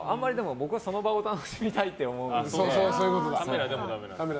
僕はその場を楽しみたいと思うので。